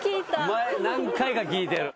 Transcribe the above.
前何回か聞いてる。